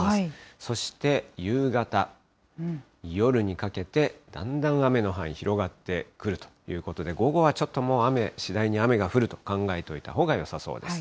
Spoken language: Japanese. そして夕方、夜にかけて、だんだん雨の範囲、広がってくるということで、午後はちょっともう雨、次第に雨が降ると考えといたほうがよさそうです。